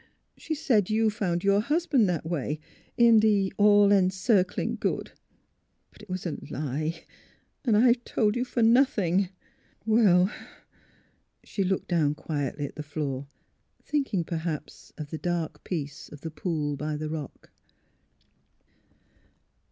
She said you found your husband that way. In the — the All Encircling Good. But it was a lie. And I've told you for nothing. Well " She looked down quietly at the floor, thinking, perhaj^s, of the dark peace of the pool by the rock.